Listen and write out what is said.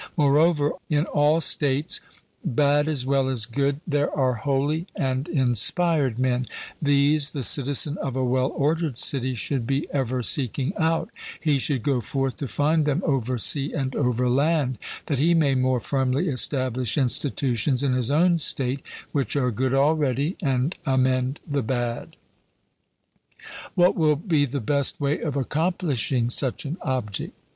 Moreover, in all states, bad as well as good, there are holy and inspired men; these the citizen of a well ordered city should be ever seeking out; he should go forth to find them over sea and over land, that he may more firmly establish institutions in his own state which are good already and amend the bad. 'What will be the best way of accomplishing such an object?'